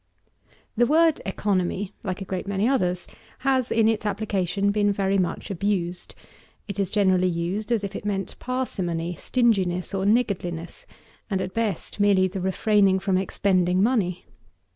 2. The word Economy, like a great many others, has, in its application, been very much abused. It is generally used as if it meant parsimony, stinginess, or niggardliness; and, at best, merely the refraining from expending money.